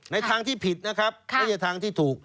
ในทางที่ผิดนะครับไม่ใช่ทางที่ถูก